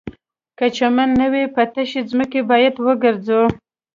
که چمن نه وي په تشه ځمکه باید وګرځو